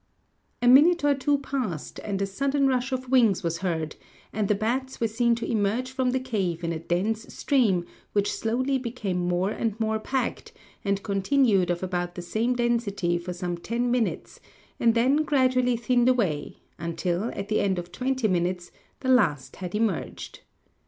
A minute or two passed and a sudden rush of wings was heard, and the bats were seen to emerge from the cave in a dense stream which slowly became more and more packed, and continued of about the same density for some ten minutes and then gradually thinned away, until, at the end of twenty minutes, the last had emerged.